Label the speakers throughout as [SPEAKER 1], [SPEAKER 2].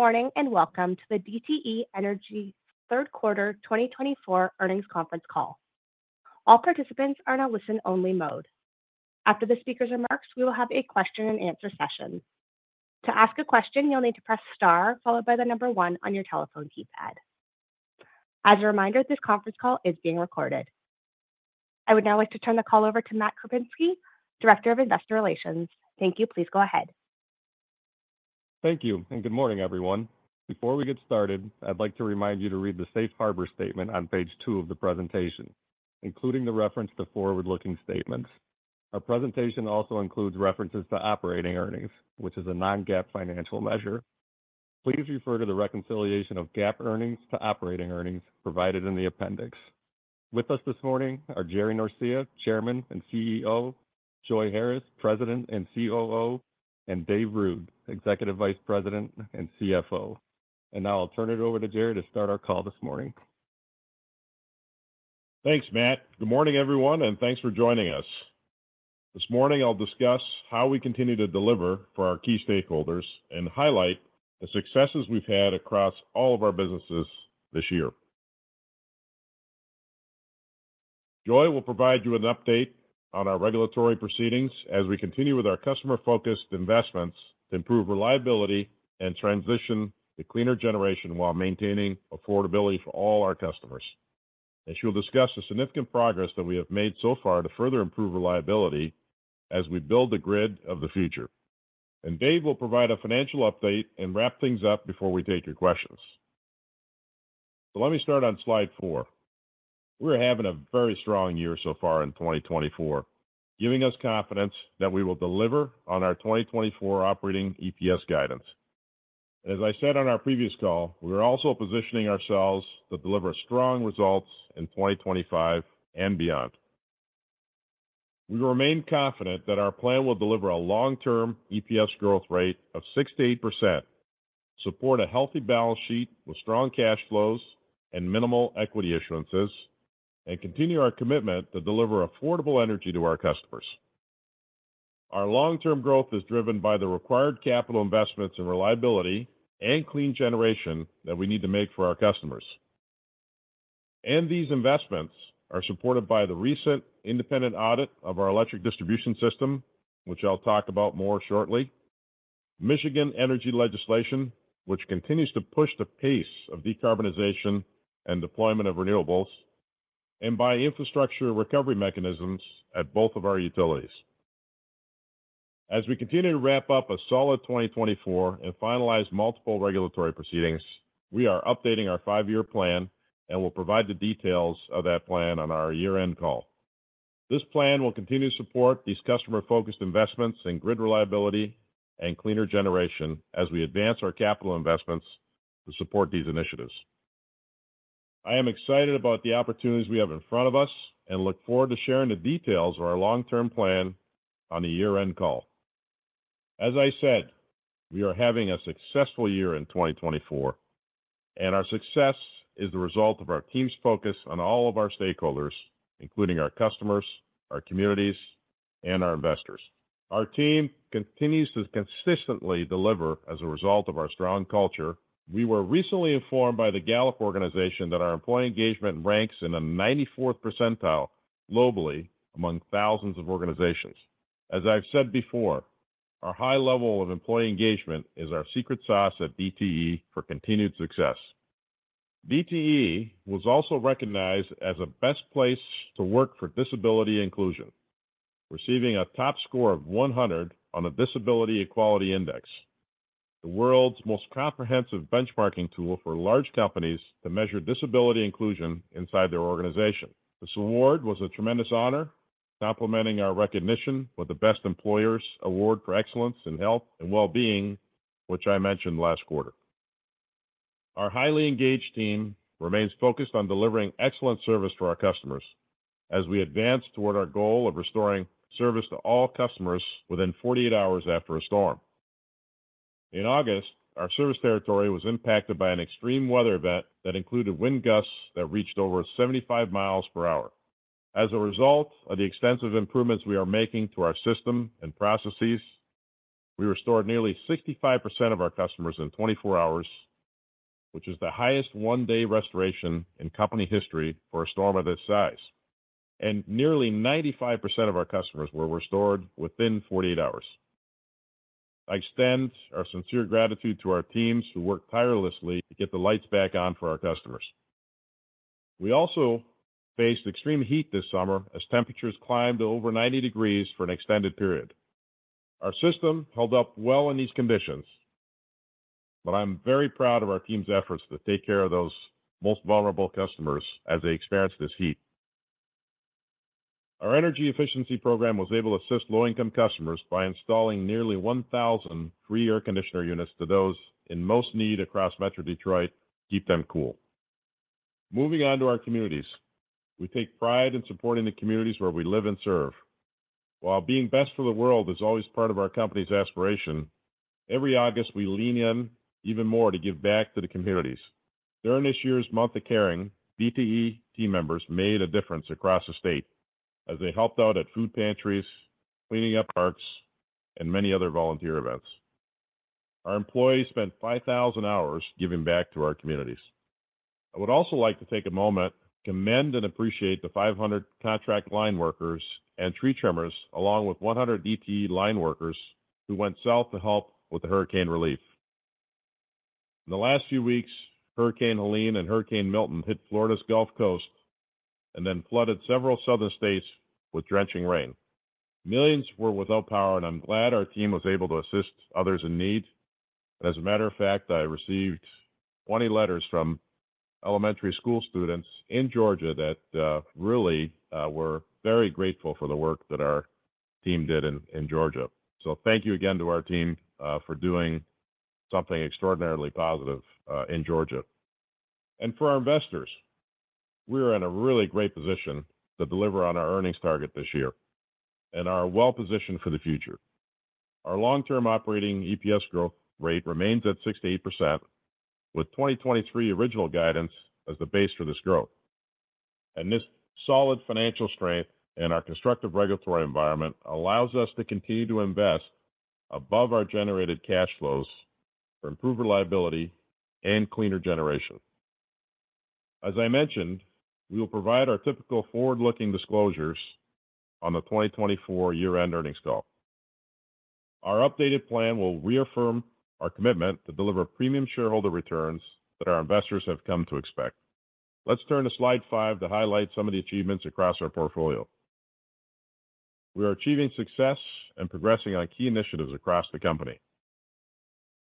[SPEAKER 1] Good morning, and welcome to the DTE Energy Third Quarter 2024 Earnings Conference Call. All participants are in a listen-only mode. After the speaker's remarks, we will have a question and answer session. To ask a question, you'll need to press Star, followed by the number one on your telephone keypad. As a reminder, this conference call is being recorded. I would now like to turn the call over to Matt Kupinski, Director of Investor Relations. Thank you. Please go ahead.
[SPEAKER 2] Thank you, and good morning, everyone. Before we get started, I'd like to remind you to read the safe harbor statement on page two of the presentation, including the reference to forward-looking statements. Our presentation also includes references to operating earnings, which is a non-GAAP financial measure. Please refer to the reconciliation of GAAP earnings to operating earnings provided in the appendix. With us this morning are Jerry Norcia, Chairman and CEO, Joi Harris, President and COO, and Dave Ruud, Executive Vice President and CFO, and now I'll turn it over to Jerry to start our call this morning.
[SPEAKER 3] Thanks, Matt. Good morning, everyone, and thanks for joining us. This morning, I'll discuss how we continue to deliver for our key stakeholders and highlight the successes we've had across all of our businesses this year. Joi will provide you an update on our regulatory proceedings as we continue with our customer-focused investments to improve reliability and transition to cleaner generation while maintaining affordability for all our customers, and she will discuss the significant progress that we have made so far to further improve reliability as we build the grid of the future, and Dave will provide a financial update and wrap things up before we take your questions, so let me start on slide four. We're having a very strong year so far in twenty twenty-four, giving us confidence that we will deliver on our twenty twenty-four operating EPS guidance. As I said on our previous call, we are also positioning ourselves to deliver strong results in twenty twenty-five and beyond. We remain confident that our plan will deliver a long-term EPS growth rate of 6%-8%, support a healthy balance sheet with strong cash flows and minimal equity issuances, and continue our commitment to deliver affordable energy to our customers. Our long-term growth is driven by the required capital investments in reliability and clean generation that we need to make for our customers. These investments are supported by the recent independent audit of our electric distribution system, which I'll talk about more shortly, Michigan energy legislation, which continues to push the pace of decarbonization and deployment of renewables, and by infrastructure recovery mechanisms at both of our utilities. As we continue to wrap up a solid 2024 and finalize multiple regulatory proceedings, we are updating our five-year plan and will provide the details of that plan on our year-end call. This plan will continue to support these customer-focused investments in grid reliability and cleaner generation as we advance our capital investments to support these initiatives. I am excited about the opportunities we have in front of us and look forward to sharing the details of our long-term plan on the year-end call. As I said, we are having a successful year in 2024, and our success is the result of our team's focus on all of our stakeholders, including our customers, our communities, and our investors. Our team continues to consistently deliver as a result of our strong culture. We were recently informed by the Gallup organization that our employee engagement ranks in the 94th percentile globally among thousands of organizations. As I've said before, our high level of employee engagement is our secret sauce at DTE for continued success. DTE was also recognized as a Best Place to Work for Disability Inclusion, receiving a top score of 100 on the Disability Equality Index, the world's most comprehensive benchmarking tool for large companies to measure disability inclusion inside their organization. This award was a tremendous honor, complementing our recognition with the Best Employers Award for Excellence in Health and Wellbeing, which I mentioned last quarter. Our highly engaged team remains focused on delivering excellent service to our customers as we advance toward our goal of restoring service to all customers within 48 hours after a storm. In August, our service territory was impacted by an extreme weather event that included wind gusts that reached over 75 mi per hour. As a result of the extensive improvements we are making to our system and processes, we restored nearly 65% of our customers in 24 hours, which is the highest one-day restoration in company history for a storm of this size, and nearly 95% of our customers were restored within 48 hours. I extend our sincere gratitude to our teams who work tirelessly to get the lights back on for our customers. We also faced extreme heat this summer as temperatures climbed to over 90 degrees for an extended period. Our system held up well in these conditions, but I'm very proud of our team's efforts to take care of those most vulnerable customers as they experienced this heat. Our energy efficiency program was able to assist low-income customers by installing nearly 1,000 free air conditioner units to those in most need across Metro Detroit to keep them cool. Moving on to our communities. We take pride in supporting the communities where we live and serve. While being best for the world is always part of our company's aspiration, every August, we lean in even more to give back to the communities. During this year's Month of Caring, DTE team members made a difference across the state as they helped out at food pantries, cleaning up parks, and many other volunteer events. Our employees spent 5,000 hours giving back to our communities. I would also like to take a moment to commend and appreciate the 500 contract line workers and tree trimmers, along with 100 DTE line workers, who went south to help with the hurricane relief. In the last few weeks, Hurricane Helene and Hurricane Milton hit Florida's Gulf Coast and then flooded several southern states with drenching rain. Millions were without power, and I'm glad our team was able to assist others in need. As a matter of fact, I received 20 letters from elementary school students in Georgia that really were very grateful for the work that our team did in Georgia. So thank you again to our team for doing something extraordinarily positive in Georgia. And for our investors, we are in a really great position to deliver on our earnings target this year and are well positioned for the future. Our long-term operating EPS growth rate remains at 6%-8%, with 2023 original guidance as the base for this growth. And this solid financial strength and our constructive regulatory environment allows us to continue to invest above our generated cash flows for improved reliability and cleaner generation. As I mentioned, we will provide our typical forward-looking disclosures on the 2024 year-end earnings call. Our updated plan will reaffirm our commitment to deliver premium shareholder returns that our investors have come to expect. Let's turn to slide five to highlight some of the achievements across our portfolio. We are achieving success and progressing on key initiatives across the company.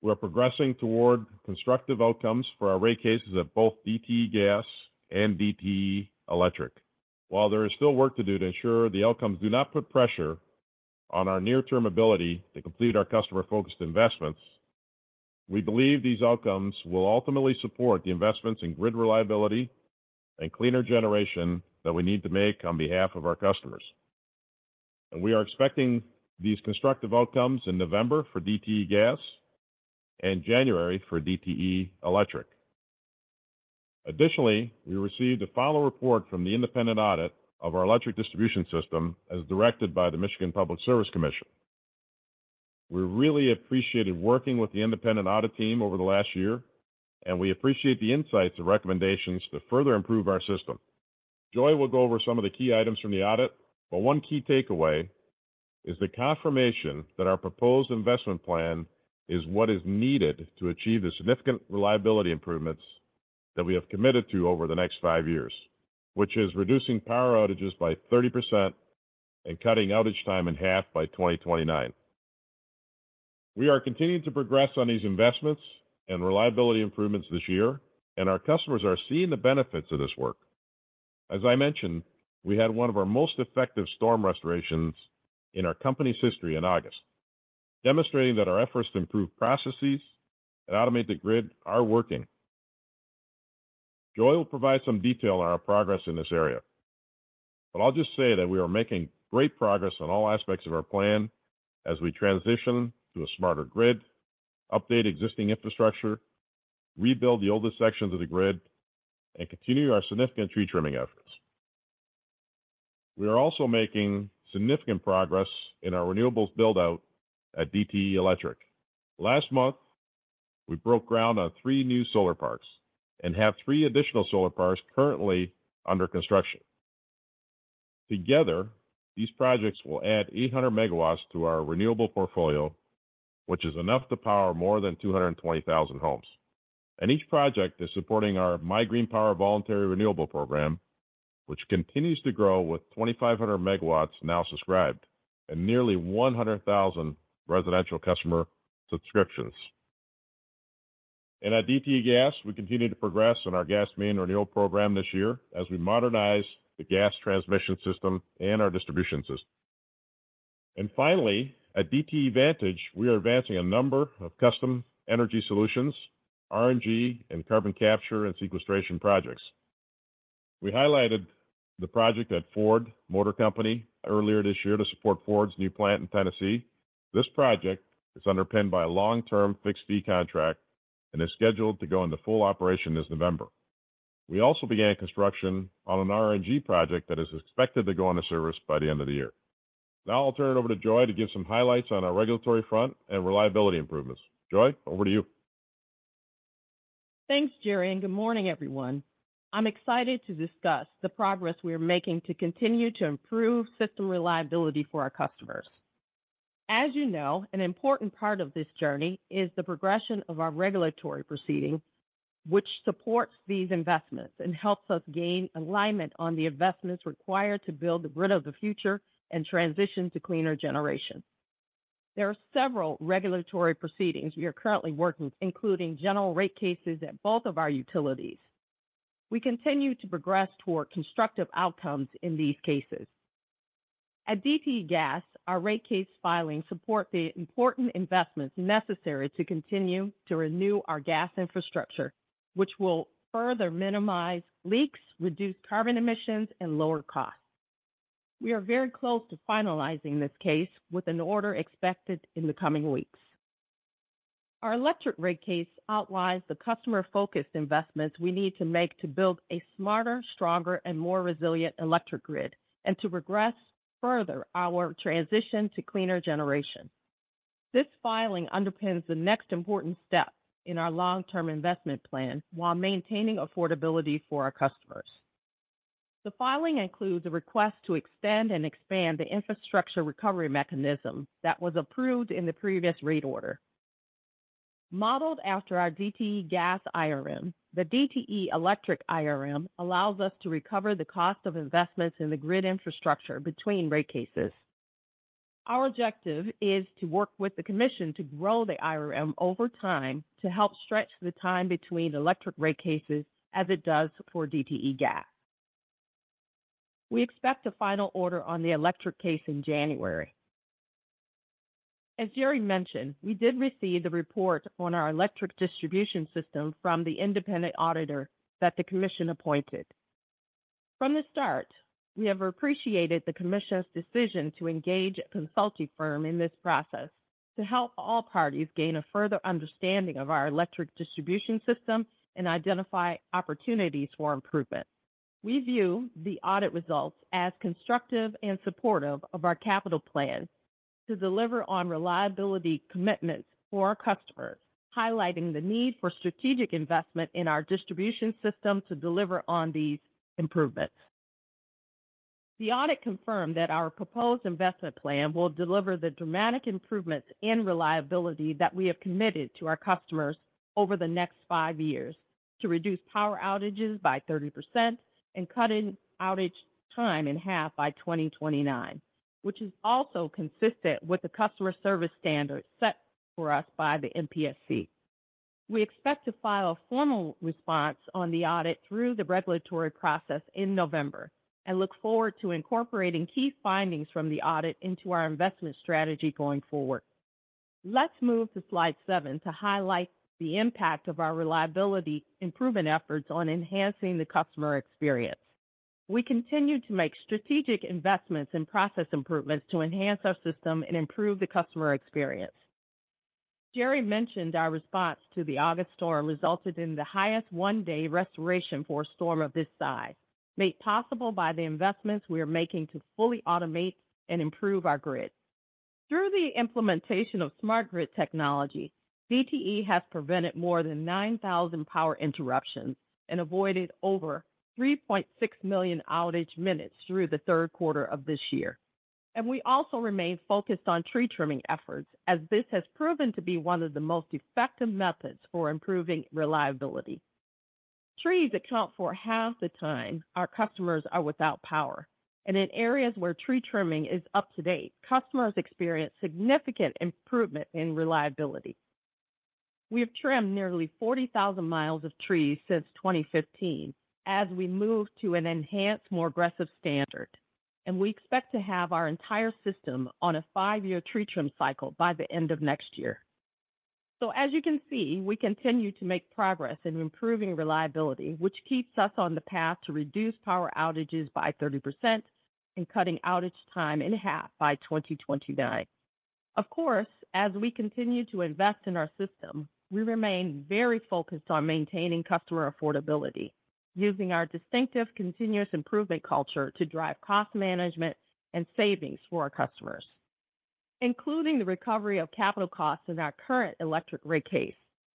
[SPEAKER 3] We are progressing toward constructive outcomes for our rate cases at both DTE Gas and DTE Electric. While there is still work to do to ensure the outcomes do not put pressure on our near-term ability to complete our customer-focused investments, we believe these outcomes will ultimately support the investments in grid reliability and cleaner generation that we need to make on behalf of our customers, and we are expecting these constructive outcomes in November for DTE Gas and January for DTE Electric. Additionally, we received a final report from the independent audit of our electric distribution system, as directed by the Michigan Public Service Commission. We really appreciated working with the independent audit team over the last year, and we appreciate the insights and recommendations to further improve our system. Joi will go over some of the key items from the audit, but one key takeaway is the confirmation that our proposed investment plan is what is needed to achieve the significant reliability improvements that we have committed to over the next five years, which is reducing power outages by 30% and cutting outage time in half by 2029. We are continuing to progress on these investments and reliability improvements this year, and our customers are seeing the benefits of this work. As I mentioned, we had one of our most effective storm restorations in our company's history in August, demonstrating that our efforts to improve processes and automate the grid are working. Joi will provide some detail on our progress in this area, but I'll just say that we are making great progress on all aspects of our plan as we transition to a smarter grid, update existing infrastructure, rebuild the oldest sections of the grid, and continue our significant tree trimming efforts. We are also making significant progress in our renewables build-out at DTE Electric. Last month, we broke ground on three new solar parks and have three additional solar parks currently under construction. Together, these projects will add eight hundred megawatts to our renewable portfolio, which is enough to power more than two hundred and twenty thousand homes. And each project is supporting our MIGreenPower voluntary renewable program, which continues to grow, with twenty-five hundred megawatts now subscribed and nearly one hundred thousand residential customer subscriptions. And at DTE Gas, we continue to progress on our gas main renewal program this year as we modernize the gas transmission system and our distribution system. And finally, at DTE Vantage, we are advancing a number of custom energy solutions, RNG, and carbon capture and sequestration projects. We highlighted the project at Ford Motor Company earlier this year to support Ford's new plant in Tennessee. This project is underpinned by a long-term fixed-fee contract and is scheduled to go into full operation this November. We also began construction on an RNG project that is expected to go into service by the end of the year. Now I'll turn it over to Joi to give some highlights on our regulatory front and reliability improvements. Joi, over to you.
[SPEAKER 4] Thanks, Jerry, and good morning, everyone. I'm excited to discuss the progress we are making to continue to improve system reliability for our customers. As you know, an important part of this journey is the progression of our regulatory proceeding, which supports these investments and helps us gain alignment on the investments required to build the grid of the future and transition to cleaner generation. There are several regulatory proceedings we are currently working, including general rate cases at both of our utilities. We continue to progress toward constructive outcomes in these cases. At DTE Gas, our rate case filings support the important investments necessary to continue to renew our gas infrastructure, which will further minimize leaks, reduce carbon emissions, and lower costs. We are very close to finalizing this case, with an order expected in the coming weeks. Our electric rate case outlines the customer-focused investments we need to make to build a smarter, stronger, and more resilient electric grid, and to progress further our transition to cleaner generation. This filing underpins the next important step in our long-term investment plan, while maintaining affordability for our customers. The filing includes a request to extend and expand the infrastructure recovery mechanism that was approved in the previous rate order. Modeled after our DTE Gas IRM, the DTE Electric IRM allows us to recover the cost of investments in the grid infrastructure between rate cases. Our objective is to work with the commission to grow the IRM over time, to help stretch the time between electric rate cases, as it does for DTE Gas. We expect a final order on the electric case in January. As Jerry mentioned, we did receive the report on our electric distribution system from the independent auditor that the commission appointed. From the start, we have appreciated the commission's decision to engage a consulting firm in this process, to help all parties gain a further understanding of our electric distribution system and identify opportunities for improvement. We view the audit results as constructive and supportive of our capital plans to deliver on reliability commitments for our customers, highlighting the need for strategic investment in our distribution system to deliver on these improvements. The audit confirmed that our proposed investment plan will deliver the dramatic improvements in reliability that we have committed to our customers over the next five years, to reduce power outages by 30% and cutting outage time in half by 2029, which is also consistent with the customer service standards set for us by the MPSC. We expect to file a formal response on the audit through the regulatory process in November, and look forward to incorporating key findings from the audit into our investment strategy going forward. Let's move to slide 7 to highlight the impact of our reliability improvement efforts on enhancing the customer experience. We continue to make strategic investments and process improvements to enhance our system and improve the customer experience. Jerry mentioned our response to the August storm resulted in the highest one-day restoration for a storm of this size, made possible by the investments we are making to fully automate and improve our grid. Through the implementation of smart grid technology, DTE has prevented more than 9,000 power interruptions and avoided over 3.6 million outage minutes through the third quarter of this year. We also remain focused on tree trimming efforts, as this has proven to be one of the most effective methods for improving reliability. Trees account for half the time our customers are without power, and in areas where tree trimming is up to date, customers experience significant improvement in reliability. We have trimmed nearly 40,000 miles of trees since 2015, as we move to an enhanced, more aggressive standard, and we expect to have our entire system on a five-year tree trim cycle by the end of next year. As you can see, we continue to make progress in improving reliability, which keeps us on the path to reduce power outages by 30% and cutting outage time in half by 2029. Of course, as we continue to invest in our system, we remain very focused on maintaining customer affordability, using our distinctive continuous improvement culture to drive cost management and savings for our customers, including the recovery of capital costs in our current electric rate case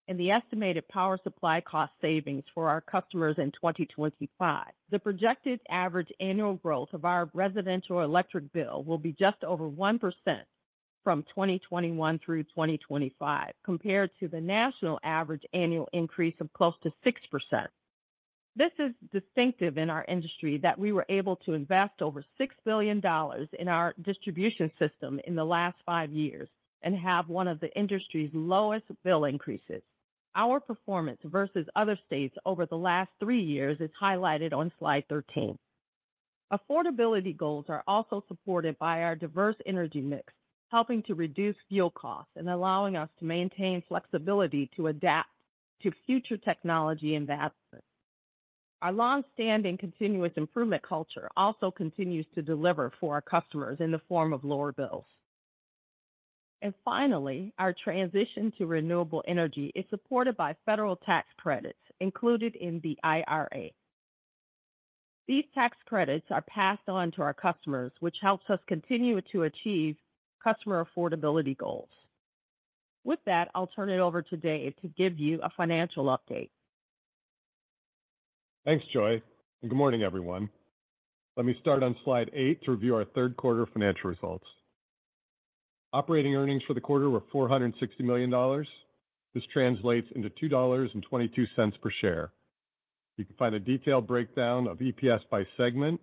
[SPEAKER 4] and the estimated power supply cost savings for our customers in 2025. The projected average annual growth of our residential electric bill will be just over 1% from 2021 through 2025, compared to the national average annual increase of close to 6%. This is distinctive in our industry, that we were able to invest over $6 billion in our distribution system in the last five years and have one of the industry's lowest bill increases. Our performance versus other states over the last three years is highlighted on slide 13. Affordability goals are also supported by our diverse energy mix, helping to reduce fuel costs and allowing us to maintain flexibility to adapt to future technology investments. Our long-standing continuous improvement culture also continues to deliver for our customers in the form of lower bills, and finally, our transition to renewable energy is supported by federal tax credits included in the IRA. These tax credits are passed on to our customers, which helps us continue to achieve customer affordability goals. With that, I'll turn it over to Dave to give you a financial update.
[SPEAKER 5] Thanks, Joi, and good morning, everyone. Let me start on slide eight to review our third quarter financial results. Operating earnings for the quarter were $460 million. This translates into $2.22 per share. You can find a detailed breakdown of EPS by segment,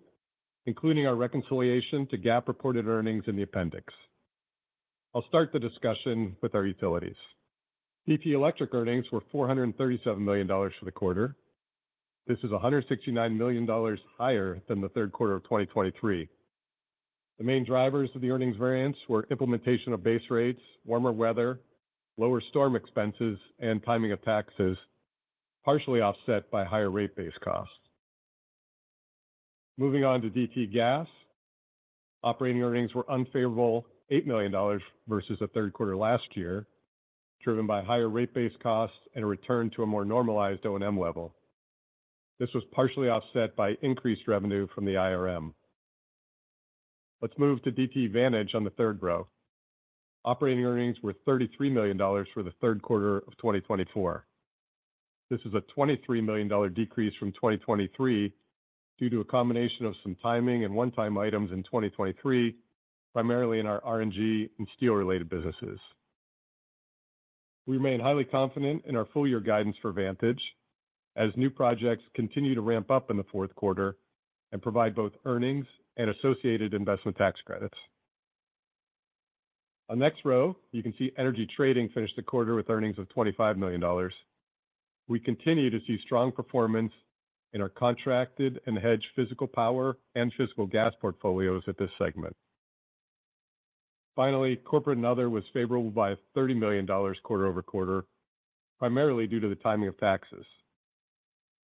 [SPEAKER 5] including our reconciliation to GAAP reported earnings in the appendix. I'll start the discussion with our utilities. DTE Electric earnings were $437 million for the quarter. This is $169 million higher than the third quarter of 2023. The main drivers of the earnings variance were implementation of base rates, warmer weather, lower storm expenses, and timing of taxes, partially offset by higher rate base costs. Moving on to DTE Gas. Operating earnings were unfavorable $8 million versus the third quarter last year, driven by higher rate base costs and a return to a more normalized O&M level. This was partially offset by increased revenue from the IRM. Let's move to DTE Vantage on the third row. Operating earnings were $33 million for the third quarter of 2024. This is a $23 million decrease from 2023 due to a combination of some timing and one-time items in 2023, primarily in our RNG and steel-related businesses. We remain highly confident in our full year guidance for Vantage as new projects continue to ramp up in the fourth quarter and provide both earnings and associated investment tax credits. On next row, you can see Energy Trading finished the quarter with earnings of $25 million. We continue to see strong performance in our contracted and hedged physical power and physical gas portfolios at this segment. Finally, Corporate and Other was favorable by $30 million quarter over quarter, primarily due to the timing of taxes.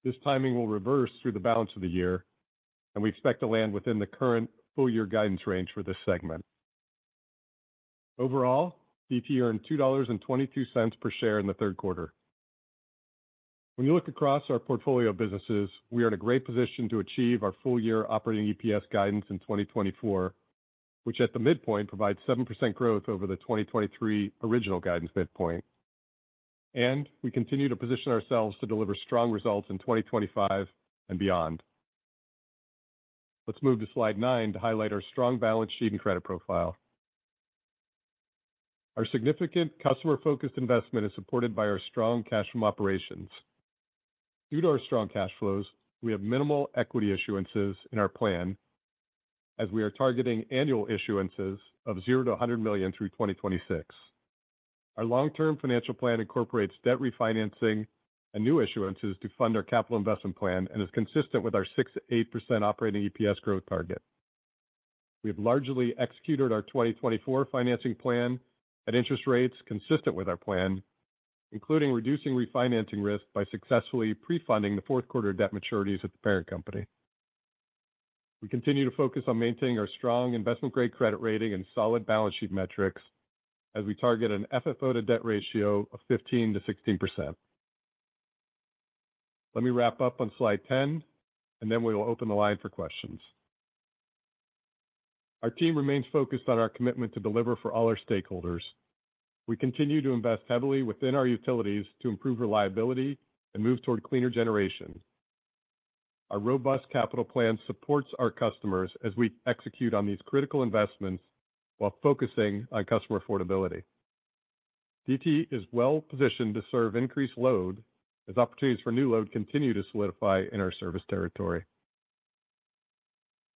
[SPEAKER 5] This timing will reverse through the balance of the year, and we expect to land within the current full year guidance range for this segment. Overall, DTE earned $2.22 per share in the third quarter. When you look across our portfolio of businesses, we are in a great position to achieve our full year operating EPS guidance in 2024, which at the midpoint, provides 7% growth over the 2023 original guidance midpoint. And we continue to position ourselves to deliver strong results in 2025 and beyond. Let's move to slide nine to highlight our strong balance sheet and credit profile. Our significant customer-focused investment is supported by our strong cash from operations. Due to our strong cash flows, we have minimal equity issuances in our plan as we are targeting annual issuances of $0-$100 million through 2026. Our long-term financial plan incorporates debt refinancing and new issuances to fund our capital investment plan and is consistent with our 6%-8% operating EPS growth target. We have largely executed our 2024 financing plan at interest rates consistent with our plan, including reducing refinancing risk by successfully pre-funding the fourth quarter debt maturities at the parent company. We continue to focus on maintaining our strong investment-grade credit rating and solid balance sheet metrics as we target an FFO to debt ratio of 15%-16%. Let me wrap up on slide 10, and then we will open the line for questions. Our team remains focused on our commitment to deliver for all our stakeholders. We continue to invest heavily within our utilities to improve reliability and move toward cleaner generation. Our robust capital plan supports our customers as we execute on these critical investments while focusing on customer affordability. DTE is well positioned to serve increased load as opportunities for new load continue to solidify in our service territory.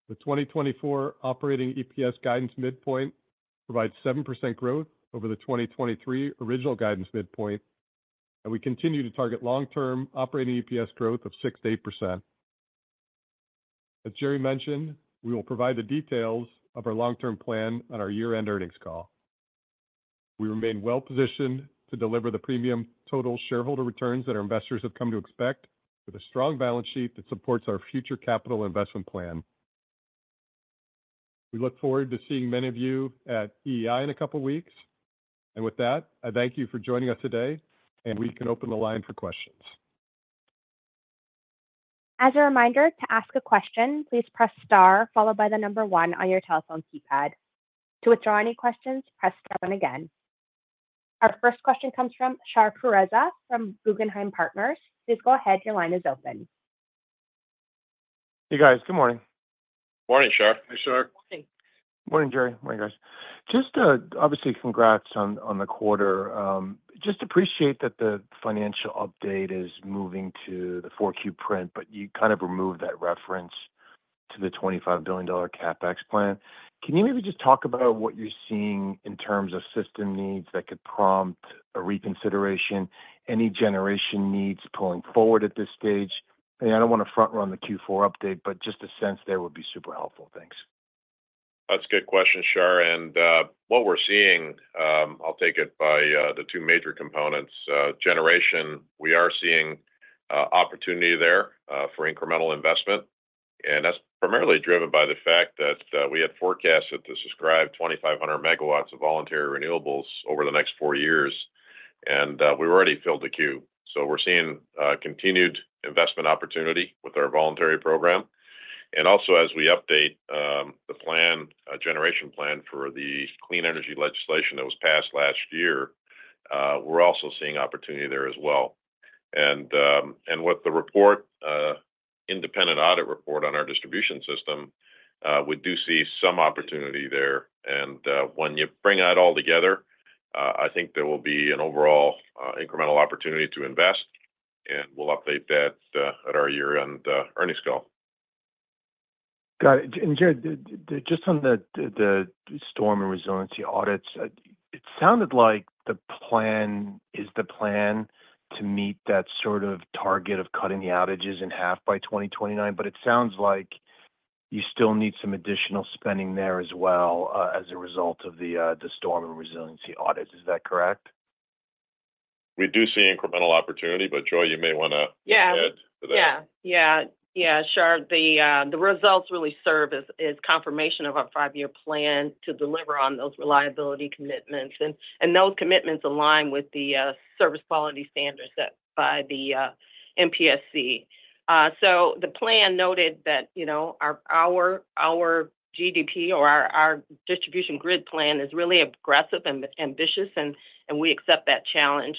[SPEAKER 5] The 2024 operating EPS guidance midpoint provides 7% growth over the 2023 original guidance midpoint, and we continue to target long-term operating EPS growth of 6%-8%. As Jerry mentioned, we will provide the details of our long-term plan on our year-end earnings call. We remain well positioned to deliver the premium total shareholder returns that our investors have come to expect, with a strong balance sheet that supports our future capital investment plan. We look forward to seeing many of you at EEI in a couple weeks. With that, I thank you for joining us today, and we can open the line for questions.
[SPEAKER 1] As a reminder, to ask a question, please press star followed by the number one on your telephone keypad. To withdraw any questions, press star one again. Our first question comes from Shar Pourreza from Guggenheim Partners. Please go ahead. Your line is open.
[SPEAKER 6] Hey, guys. Good morning.
[SPEAKER 3] Morning, Shar.
[SPEAKER 5] Hey, Shar.
[SPEAKER 4] Morning.
[SPEAKER 7] Morning, Jerry. Morning, guys. Just, obviously, congrats on the quarter. Just appreciate that the financial update is moving to the 4Q print, but you kind of removed that reference to the $25 billion CapEx plan. Can you maybe just talk about what you're seeing in terms of system needs that could prompt a reconsideration, any generation needs pulling forward at this stage? And I don't want to front run the Q4 update, but just a sense there would be super helpful. Thanks.
[SPEAKER 3] That's a good question, Shar. And what we're seeing, I'll take it by the two major components. Generation, we are seeing opportunity there for incremental investment, and that's primarily driven by the fact that we had forecasted to subscribe 2,500 megawatts of voluntary renewables over the next four years, and we've already filled the queue. So we're seeing continued investment opportunity with our voluntary program. And also, as we update the plan, generation plan for the clean energy legislation that was passed last year, we're also seeing opportunity there as well. And with the report, independent audit report on our distribution system, we do see some opportunity there. When you bring that all together, I think there will be an overall incremental opportunity to invest, and we'll update that at our year-end earnings call.
[SPEAKER 6] Got it. And, Jerry, just on the storm and resiliency audits, it sounded like the plan is to meet that sort of target of cutting the outages in half by twenty twenty-nine, but it sounds like you still need some additional spending there as well, as a result of the storm and resiliency audits. Is that correct?...
[SPEAKER 3] We do see incremental opportunity, but Joi, you may want to add to that.
[SPEAKER 4] Yeah. Yeah, yeah. Yeah, sure. The results really serve as confirmation of our five-year plan to deliver on those reliability commitments, and those commitments align with the service quality standards set by the MPSC. So the plan noted that, you know, our DGP or our Distribution Grid Plan is really aggressive and ambitious, and we accept that challenge.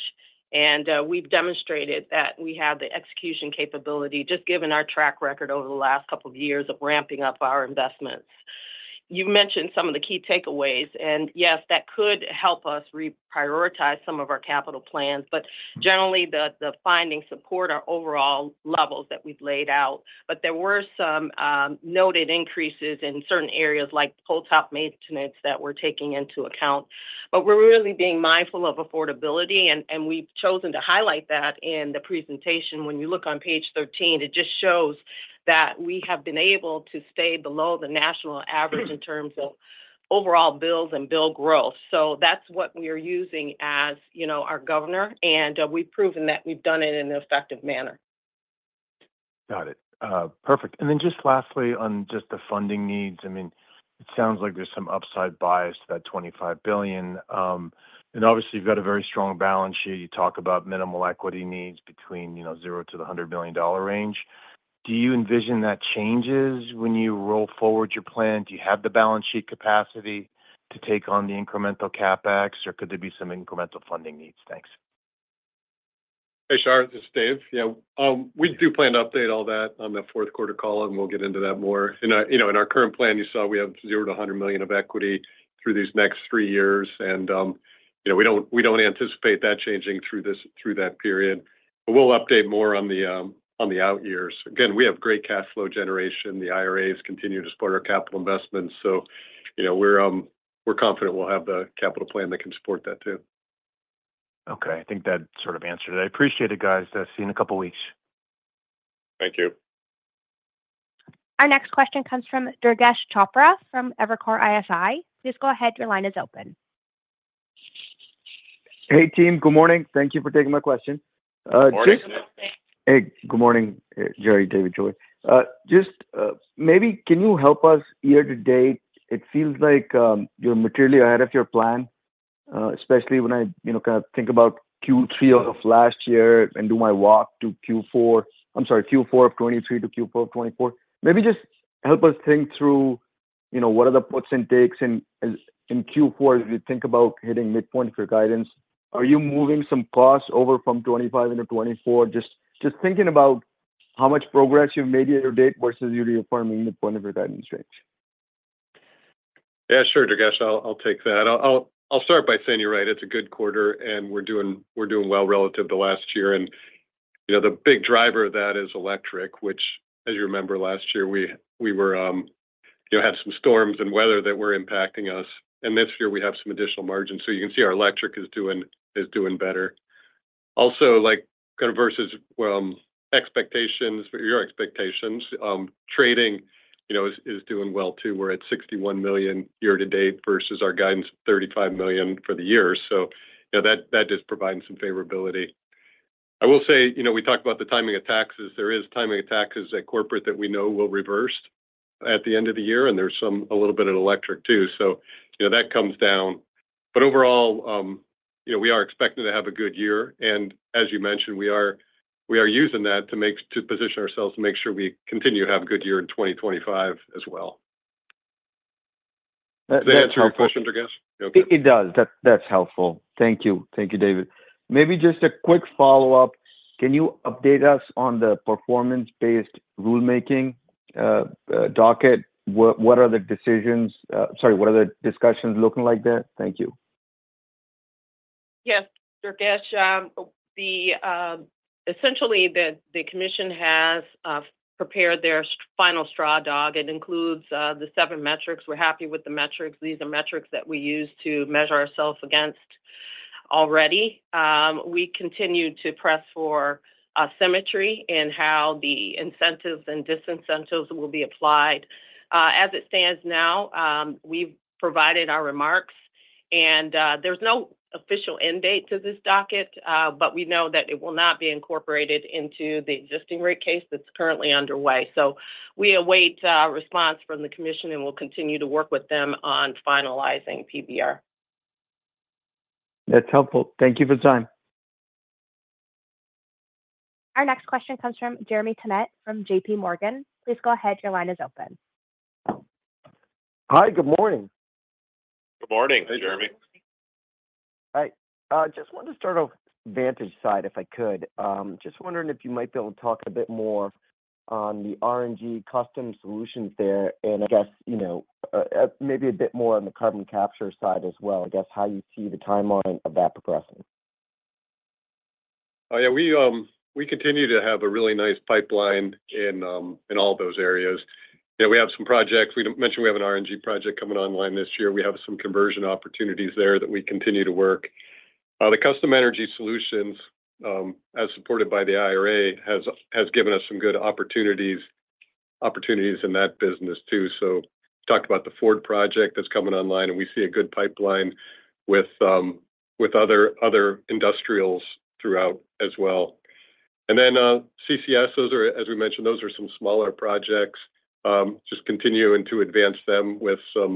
[SPEAKER 4] And we've demonstrated that we have the execution capability, just given our track record over the last couple of years of ramping up our investments. You've mentioned some of the key takeaways, and yes, that could help us reprioritize some of our capital plans, but generally, the findings support our overall levels that we've laid out. There were some noted increases in certain areas, like pole top maintenance that we're taking into account. But we're really being mindful of affordability, and we've chosen to highlight that in the presentation. When you look on page 13, it just shows that we have been able to stay below the national average in terms of overall bills and bill growth. So that's what we are using, as you know, our governor, and we've proven that we've done it in an effective manner.
[SPEAKER 7] Got it. Perfect. And then just lastly, on just the funding needs, I mean, it sounds like there's some upside bias to that $25 billion. And obviously, you've got a very strong balance sheet. You talk about minimal equity needs between, you know, zero to the $100 million range. Do you envision that changes when you roll forward your plan? Do you have the balance sheet capacity to take on the incremental CapEx, or could there be some incremental funding needs? Thanks.
[SPEAKER 5] Hey, Shar, this is Dave. Yeah, we do plan to update all that on the fourth quarter call, and we'll get into that more. In, you know, in our current plan, you saw we have $0-$100 million of equity through these next three years, and, you know, we don't, we don't anticipate that changing through that period, but we'll update more on the out years. Again, we have great cash flow generation. The IRAs continue to support our capital investments, so, you know, we're, we're confident we'll have the capital plan that can support that too.
[SPEAKER 6] Okay, I think that sort of answered it. I appreciate it, guys. See you in a couple weeks.
[SPEAKER 5] Thank you.
[SPEAKER 1] Our next question comes from Durgesh Chopra from Evercore ISI. Please go ahead. Your line is open.
[SPEAKER 8] Hey, team. Good morning. Thank you for taking my question.
[SPEAKER 5] Good morning.
[SPEAKER 6] Hey, good morning, Jerry, David, Joi. Just, maybe can you help us year to date? It feels like, you're materially ahead of your plan, especially when I, you know, kind of think about Q3 of last year and do my walk to Q4. I'm sorry, Q4 of 2023 to Q4 of 2024. Maybe just help us think through, you know, what are the puts and takes in Q4, as we think about hitting midpoint for guidance. Are you moving some costs over from 2025 into 2024? Just thinking about how much progress you've made year to date versus you reaffirming the point of your guidance range.
[SPEAKER 5] Yeah, sure, Durgesh, I'll take that. I'll start by saying you're right, it's a good quarter, and we're doing well relative to last year. You know, the big driver of that is electric, which, as you remember, last year we were, you know, had some storms and weather that were impacting us, and this year we have some additional margins. So you can see our electric is doing better. Also, like, kind of versus expectations, your expectations, trading, you know, is doing well too. We're at $61 million year to date versus our guidance, $35 million for the year. So, you know, that just provides some favorability. I will say, you know, we talked about the timing of taxes. There is timing of taxes at corporate that we know will reverse at the end of the year, and there's some, a little bit of electric too. So, you know, that comes down. But overall, you know, we are expecting to have a good year, and as you mentioned, we are using that to position ourselves to make sure we continue to have a good year in 2025 as well.
[SPEAKER 8] That-
[SPEAKER 5] Does that answer your question, Durgesh?
[SPEAKER 8] It does. That's helpful. Thank you. Thank you, David. Maybe just a quick follow-up. Can you update us on the performance-based ratemaking docket? What are the discussions looking like there? Thank you.
[SPEAKER 4] Yes, Durgesh, essentially, the commission has prepared their final straw dog. It includes the seven metrics. We're happy with the metrics. These are metrics that we use to measure ourselves against already. We continue to press for symmetry in how the incentives and disincentives will be applied. As it stands now, we've provided our remarks, and there's no official end date to this docket, but we know that it will not be incorporated into the existing rate case that's currently underway. We await response from the commission, and we'll continue to work with them on finalizing PBR.
[SPEAKER 6] That's helpful. Thank you for your time.
[SPEAKER 1] Our next question comes from Jeremy Tonet from J.P. Morgan. Please go ahead. Your line is open.
[SPEAKER 9] Hi, good morning.
[SPEAKER 5] Good morning, Jeremy.
[SPEAKER 9] Hi. Just wanted to start off Vantage side, if I could. Just wondering if you might be able to talk a bit more on the RNG custom solutions there, and I guess, you know, maybe a bit more on the carbon capture side as well, I guess how you see the timeline of that progressing.
[SPEAKER 5] Oh, yeah, we continue to have a really nice pipeline in all those areas. Yeah, we have some projects. We mentioned we have an RNG project coming online this year. We have some conversion opportunities there that we continue to work. The custom energy solutions, as supported by the IRA, has given us some good opportunities.... opportunities in that business too. So talked about the Ford project that's coming online, and we see a good pipeline with other industrials throughout as well. And then, CCS, those are, as we mentioned, some smaller projects. Just continuing to advance them with some,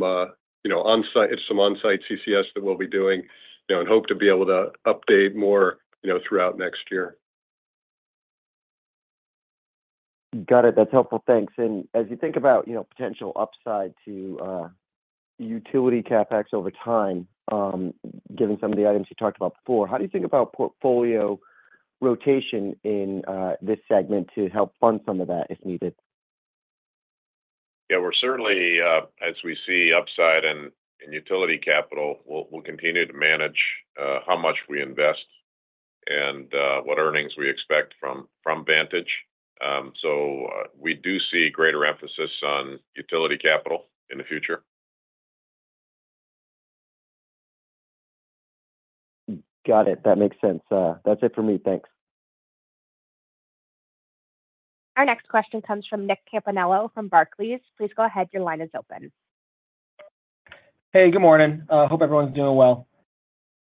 [SPEAKER 5] you know, on-site CCS that we'll be doing, you know, and hope to be able to update more, you know, throughout next year.
[SPEAKER 9] Got it. That's helpful. Thanks. And as you think about, you know, potential upside to, utility CapEx over time, given some of the items you talked about before, how do you think about portfolio rotation in, this segment to help fund some of that, if needed?
[SPEAKER 3] Yeah, we're certainly, as we see upside in utility capital, we'll continue to manage how much we invest and what earnings we expect from Vantage. So we do see greater emphasis on utility capital in the future.
[SPEAKER 9] Got it. That makes sense. That's it for me. Thanks.
[SPEAKER 1] Our next question comes from Nick Campanella from Barclays. Please go ahead. Your line is open.
[SPEAKER 10] Hey, good morning. Hope everyone's doing well.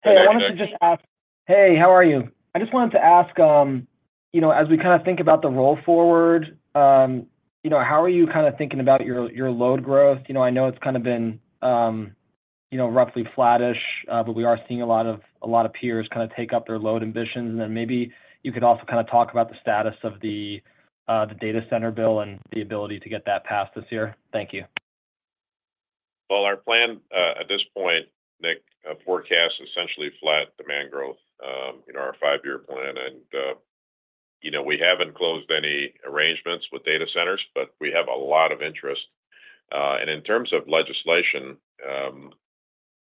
[SPEAKER 3] Hey, Nick.
[SPEAKER 10] I wanted to just ask- Hey, how are you? I just wanted to ask, you know, as we kind of think about the roll forward, you know, how are you kind of thinking about your, your load growth? You know, I know it's kind of been, you know, roughly flattish, but we are seeing a lot of, a lot of peers kind of take up their load ambitions. And then maybe you could also kind of talk about the status of the, the data center bill and the ability to get that passed this year. Thank you.
[SPEAKER 3] Our plan at this point, Nick, forecasts essentially flat demand growth in our five-year plan. And you know, we haven't closed any arrangements with data centers, but we have a lot of interest. And in terms of legislation,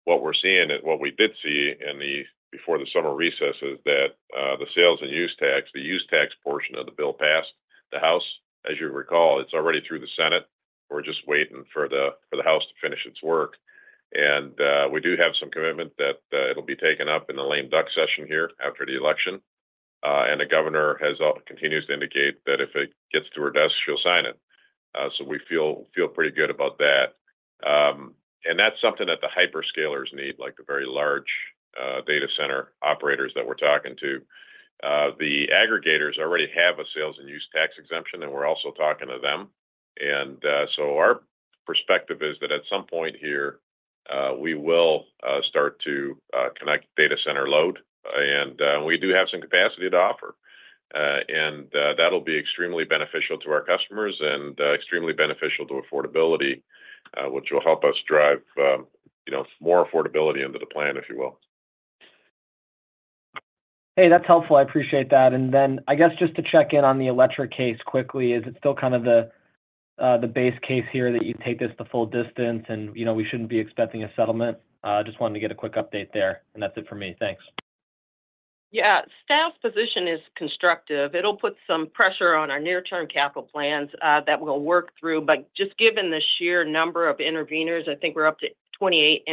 [SPEAKER 3] what we're seeing and what we did see before the summer recess is that the sales and use tax, the use tax portion of the bill passed the House. As you recall, it's already through the Senate. We're just waiting for the House to finish its work. And we do have some commitment that it'll be taken up in the lame duck session here after the election. And the governor continues to indicate that if it gets to her desk, she'll sign it. So we feel pretty good about that. And that's something that the hyperscalers need, like the very large, data center operators that we're talking to. The aggregators already have a sales and use tax exemption, and we're also talking to them. And, so our perspective is that at some point here, we will start to connect data center load, and we do have some capacity to offer. And, that'll be extremely beneficial to our customers and, extremely beneficial to affordability, which will help us drive, you know, more affordability into the plan, if you will.
[SPEAKER 10] Hey, that's helpful. I appreciate that. And then, I guess, just to check in on the electric case quickly, is it still kind of the base case here, that you take this the full distance and, you know, we shouldn't be expecting a settlement? Just wanted to get a quick update there, and that's it for me. Thanks.
[SPEAKER 4] Yeah, staff's position is constructive. It'll put some pressure on our near-term capital plans that we'll work through. But just given the sheer number of intervenors, I think we're up to twenty-eight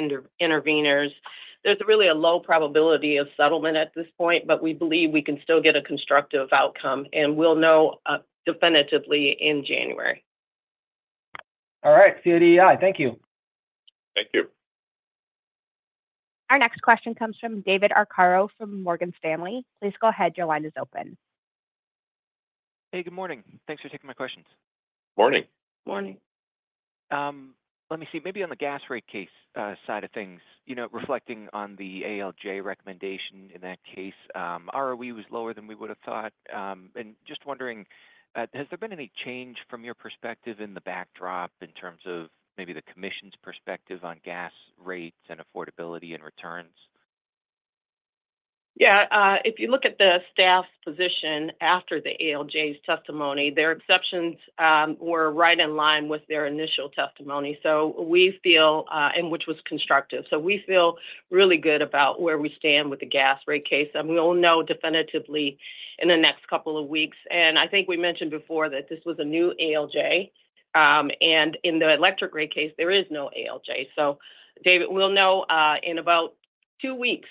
[SPEAKER 4] intervenors. There's really a low probability of settlement at this point, but we believe we can still get a constructive outcome, and we'll know definitively in January.
[SPEAKER 10] All right, see you at EEI. Thank you.
[SPEAKER 3] Thank you.
[SPEAKER 1] Our next question comes from David Arcaro from Morgan Stanley. Please go ahead. Your line is open.
[SPEAKER 11] Hey, good morning. Thanks for taking my questions.
[SPEAKER 3] Morning.
[SPEAKER 4] Morning.
[SPEAKER 11] Let me see. Maybe on the gas rate case side of things, you know, reflecting on the ALJ recommendation, in that case, ROE was lower than we would have thought, and just wondering, has there been any change from your perspective in the backdrop in terms of maybe the commission's perspective on gas rates and affordability and returns?
[SPEAKER 4] Yeah, if you look at the staff's position after the ALJ's testimony, their exceptions were right in line with their initial testimony, so we feel and which was constructive. So we feel really good about where we stand with the gas rate case, and we will know definitively in the next couple of weeks. And I think we mentioned before that this was a new ALJ, and in the electric rate case, there is no ALJ. So David, we'll know in about two weeks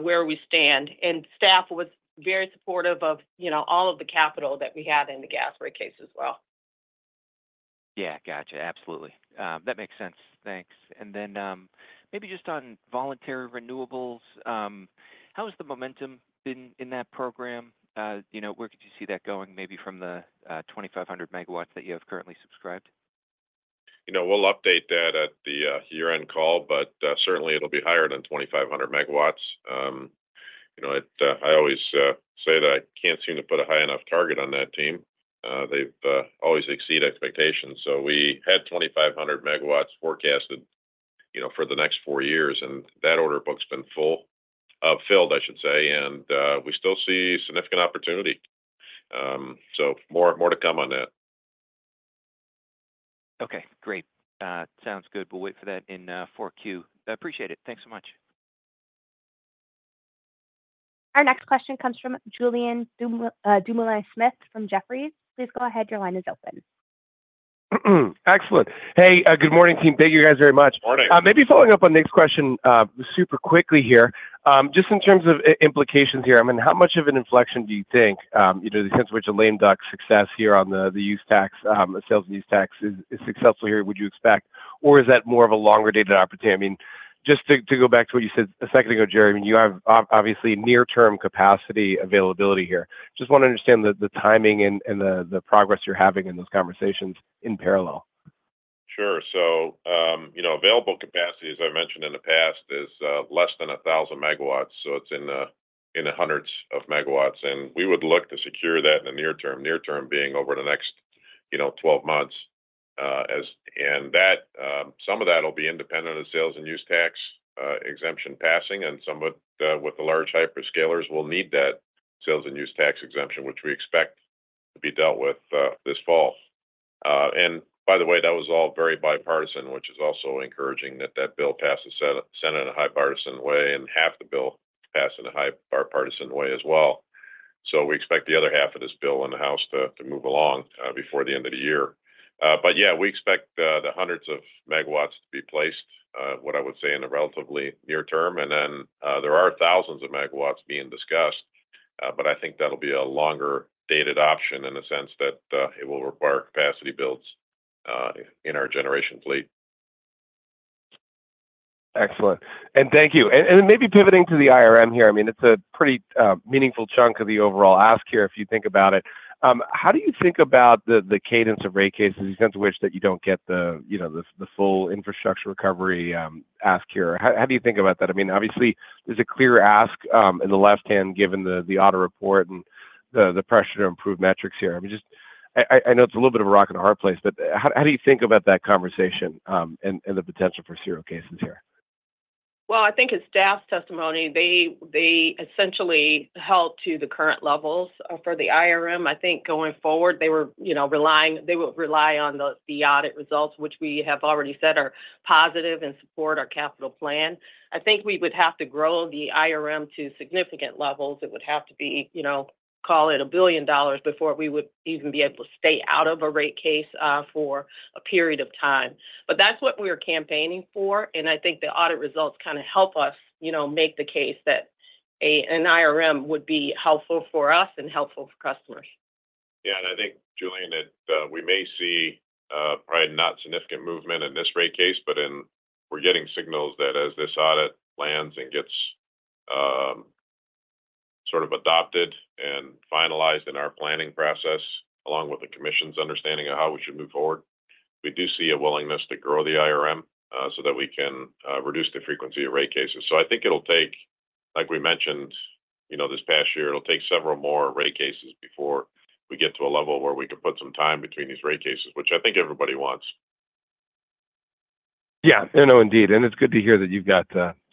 [SPEAKER 4] where we stand. And staff was very supportive of, you know, all of the capital that we have in the gas rate case as well.
[SPEAKER 11] Yeah. Gotcha. Absolutely. That makes sense. Thanks. And then, maybe just on voluntary renewables, how has the momentum been in that program? You know, where could you see that going, maybe from the 2,500 megawatts that you have currently subscribed?
[SPEAKER 3] You know, we'll update that at the year-end call, but certainly, it'll be higher than 2,500 megawatts. You know, I always say that I can't seem to put a high enough target on that team. They've always exceed expectations. So we had 2,500 megawatts forecasted, you know, for the next four years, and that order book's been full, filled, I should say, and we still see significant opportunity. So more to come on that.
[SPEAKER 11] Okay, great. Sounds good. We'll wait for that in, four Q. I appreciate it. Thanks so much.
[SPEAKER 1] Our next question comes from Julien Dumoulin-Smith from Jefferies. Please go ahead. Your line is open. ...
[SPEAKER 12] Excellent. Hey, good morning, team. Thank you guys very much.
[SPEAKER 3] Morning.
[SPEAKER 12] Maybe following up on Nick's question, super quickly here. Just in terms of implications here, I mean, how much of an inflection do you think, you know, the extent to which a lame duck session here on the use tax, the sales and use tax is successful here, would you expect? Or is that more of a longer-dated opportunity? I mean, just to go back to what you said a second ago, Jeremy, you have obviously near-term capacity availability here. Just want to understand the timing and the progress you're having in those conversations in parallel.
[SPEAKER 3] Sure, so you know, available capacity, as I mentioned in the past, is less than a thousand megawatts, so it's in the hundreds of megawatts, and we would look to secure that in the near term, near term being over the next, you know, 12 months, and that some of that will be independent of sales and use tax exemption passing, and some of it with the large hyperscalers will need that sales and use tax exemption, which we expect to be dealt with this fall, and by the way, that was all very bipartisan, which is also encouraging that that bill passed the Senate in a bipartisan way, and half the bill passed in a bipartisan way as well. So we expect the other half of this bill in the House to move along before the end of the year. But yeah, we expect the hundreds of megawatts to be placed, what I would say, in the relatively near term, and then there are thousands of megawatts being discussed, but I think that'll be a longer-dated option in the sense that it will require capacity builds in our generation fleet.
[SPEAKER 12] Excellent, and thank you. And maybe pivoting to the IRM here, I mean, it's a pretty meaningful chunk of the overall ask here, if you think about it. How do you think about the cadence of rate cases, the extent to which that you don't get the, you know, the full infrastructure recovery ask here? How do you think about that? I mean, obviously, there's a clear ask in the left hand, given the auto report and the pressure to improve metrics here. I mean, just I know it's a little bit of a rock and a hard place, but how do you think about that conversation, and the potential for serial cases here?
[SPEAKER 4] I think in staff's testimony, they essentially held to the current levels. For the IRM, I think going forward, they were, you know, relying - they would rely on the audit results, which we have already said are positive and support our capital plan. I think we would have to grow the IRM to significant levels. It would have to be, you know, call it $1 billion, before we would even be able to stay out of a rate case for a period of time. But that's what we're campaigning for, and I think the audit results kind of help us, you know, make the case that an IRM would be helpful for us and helpful for customers.
[SPEAKER 3] Yeah, and I think, Julian, that we may see probably not significant movement in this rate case, but we're getting signals that as this audit lands and gets sort of adopted and finalized in our planning process, along with the commission's understanding of how we should move forward, we do see a willingness to grow the IRM, so that we can reduce the frequency of rate cases. So I think it'll take, like we mentioned, you know, this past year, it'll take several more rate cases before we get to a level where we can put some time between these rate cases, which I think everybody wants.
[SPEAKER 12] Yeah, I know, indeed, and it's good to hear that you've got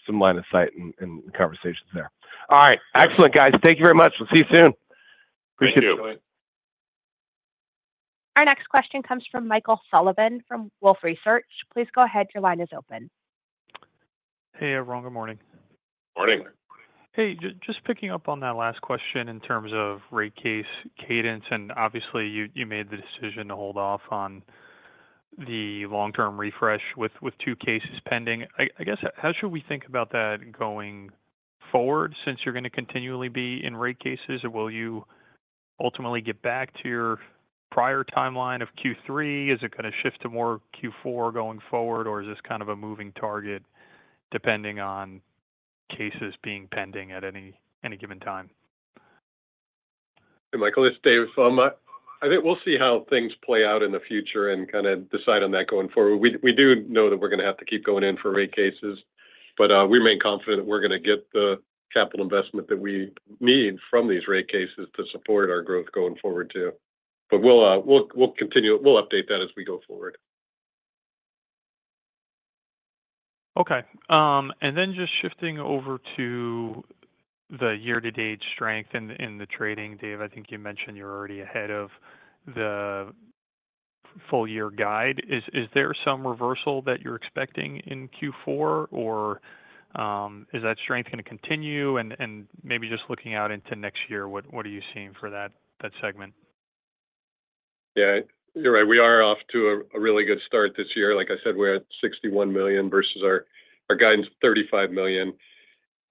[SPEAKER 12] some line of sight and conversations there. All right. Excellent, guys. Thank you very much. We'll see you soon.
[SPEAKER 3] Thank you.
[SPEAKER 4] Thank you.
[SPEAKER 1] Our next question comes from Michael Sullivan from Wolfe Research. Please go ahead. Your line is open.
[SPEAKER 13] Hey, everyone. Good morning.
[SPEAKER 3] Morning.
[SPEAKER 13] Hey, just picking up on that last question in terms of rate case cadence, and obviously, you made the decision to hold off on the long-term refresh with two cases pending. I guess, how should we think about that going forward, since you're going to continually be in rate cases? Or will you ultimately get back to your prior timeline of Q3? Is it going to shift to more Q4 going forward, or is this kind of a moving target, depending on cases being pending at any given time?
[SPEAKER 5] Hey, Michael, it's Dave Ruud. I think we'll see how things play out in the future and kind of decide on that going forward. We do know that we're going to have to keep going in for rate cases, but we remain confident that we're going to get the capital investment that we need from these rate cases to support our growth going forward, too, but we'll update that as we go forward.
[SPEAKER 13] Okay, and then just shifting over to the year-to-date strength in the trading. Dave, I think you mentioned you're already ahead of the full-year guide. Is there some reversal that you're expecting in Q4, or is that strength going to continue? And maybe just looking out into next year, what are you seeing for that segment?
[SPEAKER 5] Yeah, you're right, we are off to a really good start this year. Like I said, we're at $61 million versus our guidance, $35 million.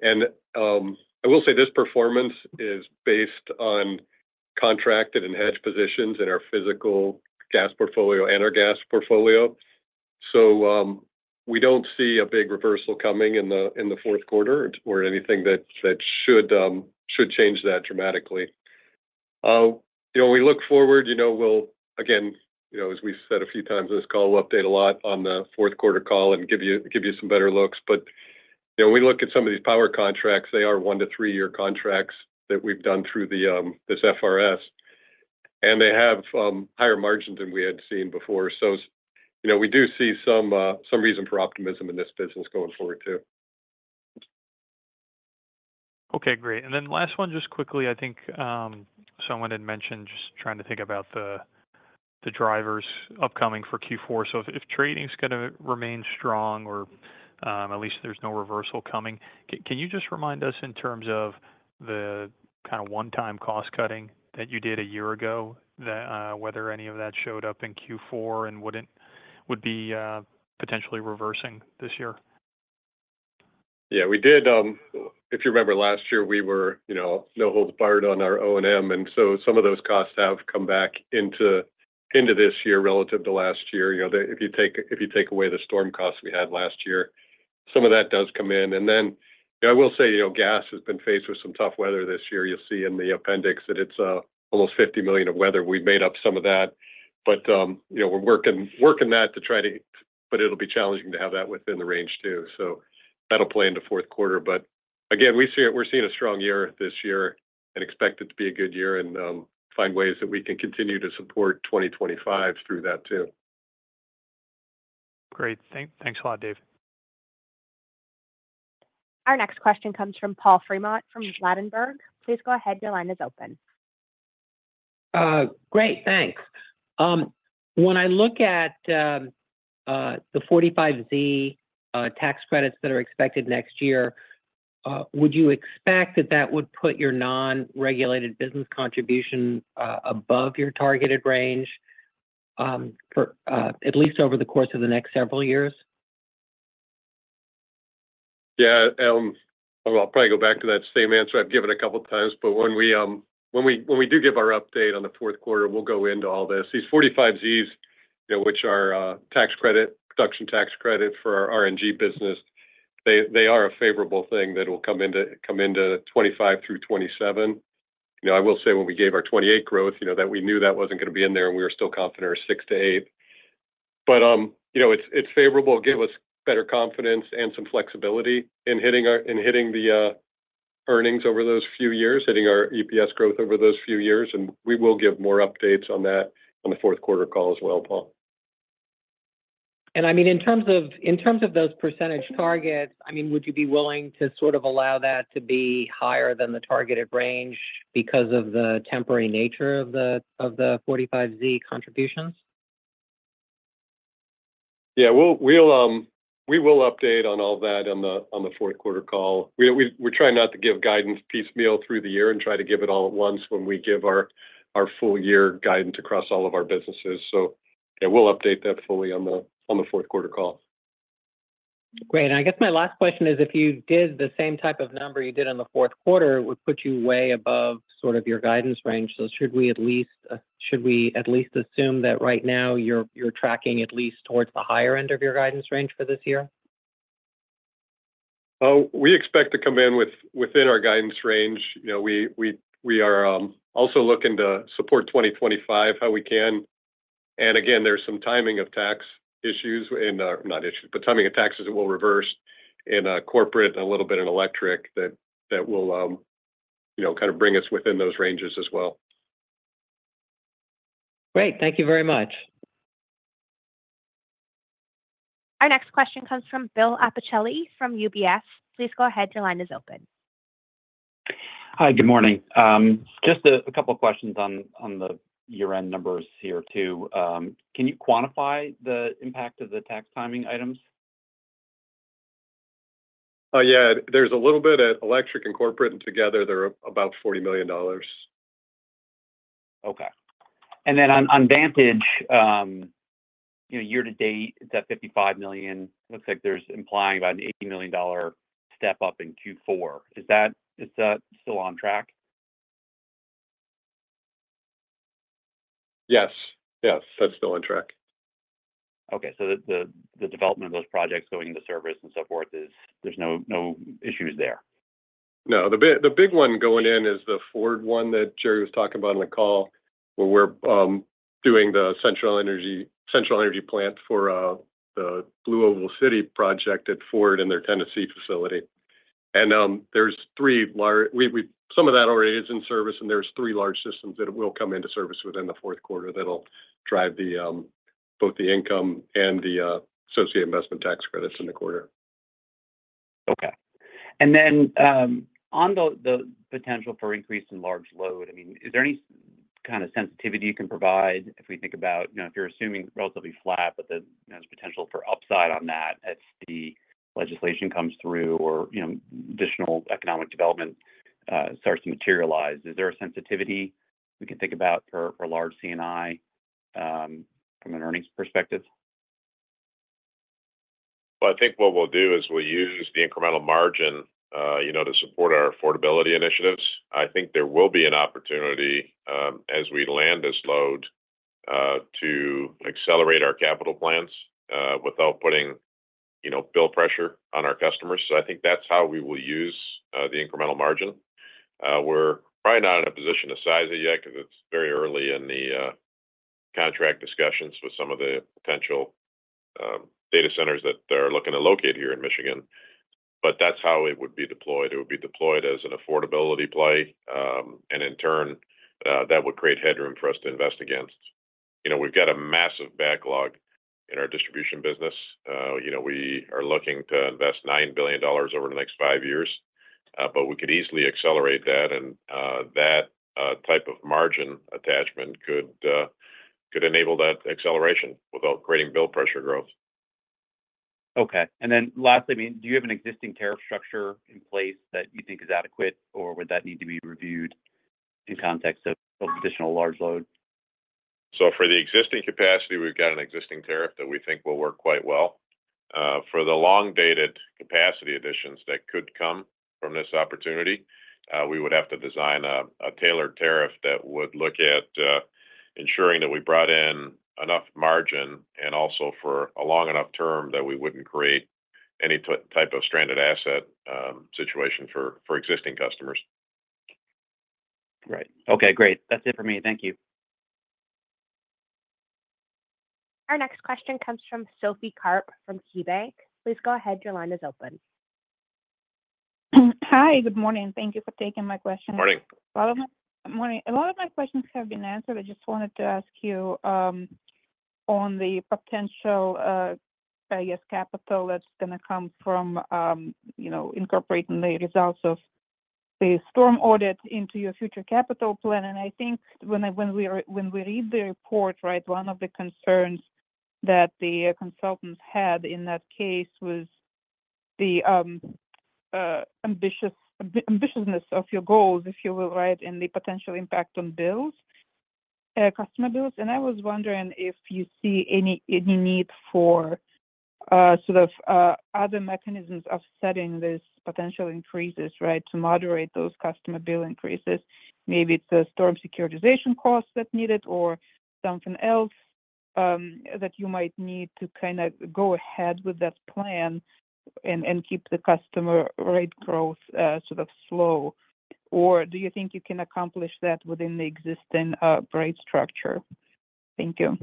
[SPEAKER 5] And I will say this performance is based on contracted and hedged positions in our physical gas portfolio and our gas portfolio. So we don't see a big reversal coming in the fourth quarter or anything that should change that dramatically. You know, we look forward. You know, we'll. Again, you know, as we've said a few times on this call, we'll update a lot on the fourth quarter call and give you some better looks. But you know, we look at some of these power contracts, they are one- to three-year contracts that we've done through this FRS, and they have higher margins than we had seen before. You know, we do see some reason for optimism in this business going forward, too.
[SPEAKER 13] Okay, great. And then last one, just quickly, I think someone had mentioned just trying to think about the drivers upcoming for Q4. So if trading's gonna remain strong or at least there's no reversal coming, can you just remind us, in terms of the kind of one-time cost cutting that you did a year ago, whether any of that showed up in Q4 and would be potentially reversing this year?...
[SPEAKER 5] Yeah, we did. If you remember last year, we were, you know, no holds barred on our O&M, and so some of those costs have come back into this year relative to last year. You know, if you take away the storm costs we had last year, some of that does come in, and then, I will say, you know, gas has been faced with some tough weather this year. You'll see in the appendix that it's almost $50 million of weather. We've made up some of that, but, you know, we're working that to try to, but it'll be challenging to have that within the range too, so that'll play into fourth quarter. Again, we're seeing a strong year this year and expect it to be a good year and find ways that we can continue to support 2025 through that too.
[SPEAKER 13] Great. Thanks a lot, Dave.
[SPEAKER 1] Our next question comes from Paul Fremont from Ladenburg Thalmann. Please go ahead. Your line is open.
[SPEAKER 14] Great, thanks. When I look at the 45Z tax credits that are expected next year, would you expect that that would put your non-regulated business contribution above your targeted range, for at least over the course of the next several years?
[SPEAKER 5] Yeah, I'll probably go back to that same answer I've given a couple of times, but when we do give our update on the fourth quarter, we'll go into all this. These 45Zs, you know, which are tax credit production tax credit for our RNG business, they are a favorable thing that will come into 2025 through 2027. You know, I will say when we gave our 2028 growth, you know, that we knew that wasn't gonna be in there, and we were still confident it was six to eight. But, you know, it's favorable. It gave us better confidence and some flexibility in hitting the earnings over those few years, hitting our EPS growth over those few years, and we will give more updates on that on the fourth quarter call as well, Paul.
[SPEAKER 14] I mean, in terms of those percentage targets, I mean, would you be willing to sort of allow that to be higher than the targeted range because of the temporary nature of the 45Z contributions?
[SPEAKER 5] Yeah. We'll update on all that on the fourth quarter call. We're trying not to give guidance piecemeal through the year and try to give it all at once when we give our full year guidance across all of our businesses. So yeah, we'll update that fully on the fourth quarter call.
[SPEAKER 14] Great. I guess my last question is, if you did the same type of number you did in the fourth quarter, it would put you way above sort of your guidance range. So should we at least assume that right now you're tracking at least towards the higher end of your guidance range for this year?
[SPEAKER 5] We expect to come in within our guidance range. You know, we are also looking to support 2025, how we can. And again, there's some timing of tax issues and, not issues, but timing of taxes will reverse in corporate and a little bit in electric. That will, you know, kind of bring us within those ranges as well.
[SPEAKER 14] Great. Thank you very much.
[SPEAKER 1] Our next question comes from Bill Appicella from UBS. Please go ahead. Your line is open.
[SPEAKER 15] Hi, good morning. Just a couple of questions on the year-end numbers here, too. Can you quantify the impact of the tax timing items?
[SPEAKER 5] Yeah, there's a little bit at electric and corporate, and together they're about $40 million.
[SPEAKER 15] Okay. And then on Vantage, you know, year to date, it's at $55 million. Looks like there's implying about an $80 million step-up in Q4. Is that still on track?
[SPEAKER 5] Yes, yes, that's still on track.
[SPEAKER 15] Okay, so the development of those projects going into service and so forth is there's no issues there?
[SPEAKER 5] No. The big, the big one going in is the Ford one that Jerry was talking about on the call, where we're doing the central energy, central energy plant for the BlueOval City project at Ford and their Tennessee facility. And some of that already is in service, and there's three large systems that will come into service within the fourth quarter that'll drive both the income and the associated investment tax credits in the quarter.
[SPEAKER 15] Okay. And then, on the potential for increase in large load, I mean, is there any kind of sensitivity you can provide if we think about, you know, if you're assuming relatively flat, but there's potential for upside on that as the legislation comes through or, you know, additional economic development starts to materialize? Is there a sensitivity we can think about for large C&I from an earnings perspective?
[SPEAKER 3] I think what we'll do is we'll use the incremental margin, you know, to support our affordability initiatives. I think there will be an opportunity, as we land this load, to accelerate our capital plans, without putting, you know, bill pressure on our customers. I think that's how we will use the incremental margin. We're probably not in a position to size it yet because it's very early in the contract discussions with some of the potential data centers that are looking to locate here in Michigan. But that's how it would be deployed. It would be deployed as an affordability play, and in turn, that would create headroom for us to invest against. You know, we've got a massive backlog in our distribution business. You know, we are looking to invest $9 billion over the next five years, but we could easily accelerate that, and that type of margin attachment could enable that acceleration without creating bill pressure growth.
[SPEAKER 15] Okay, and then lastly, I mean, do you have an existing tariff structure in place that you think is adequate, or would that need to be reviewed in context of additional large load? ...
[SPEAKER 3] So for the existing capacity, we've got an existing tariff that we think will work quite well. For the long-dated capacity additions that could come from this opportunity, we would have to design a tailored tariff that would look at ensuring that we brought in enough margin, and also for a long enough term that we wouldn't create any type of stranded asset situation for existing customers.
[SPEAKER 15] Right. Okay, great. That's it for me. Thank you.
[SPEAKER 1] Our next question comes from Sophie Karp from KeyBanc. Please go ahead. Your line is open.
[SPEAKER 6] Hi, good morning. Thank you for taking my question.
[SPEAKER 3] Good morning.
[SPEAKER 6] Morning. A lot of my questions have been answered. I just wanted to ask you, on the potential, I guess, capital that's gonna come from, you know, incorporating the results of the storm audit into your future capital plan. And I think when we read the report, right, one of the concerns that the consultants had in that case was the ambitiousness of your goals, if you will, right, and the potential impact on bills, customer bills. And I was wondering if you see any need for, sort of, other mechanisms of setting these potential increases, right, to moderate those customer bill increases. Maybe it's the storm securitization costs that's needed or something else, that you might need to kind of go ahead with that plan and, keep the customer rate growth, sort of slow. Or do you think you can accomplish that within the existing, rate structure? Thank you.